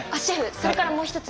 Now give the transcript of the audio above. それからもう一つ。